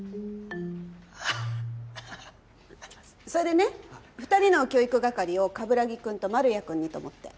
それでね２人の教育係を鏑木くんと丸谷くんにと思って。